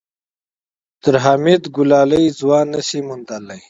تر حميد ګلالی ځوان نه شې موندلی.